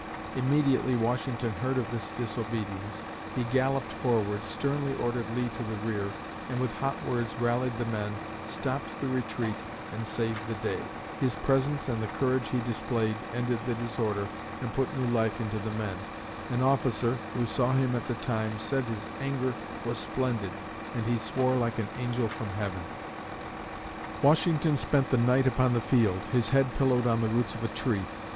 Immediately Washington heard of this disobedience, he galloped forward, sternly ordered Lee to the rear, and with hot words rallied the men, stopped the retreat and saved the day. His presence and the courage he displayed ended the disorder and put new life into the men. An officer, who saw him at the time, said his anger was splendid and he "swore like an angel from heaven." Washington spent the night upon the field, his head pillowed on the roots of a tree.